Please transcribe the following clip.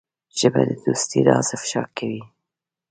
ژبه د دوستۍ راز افشا کوي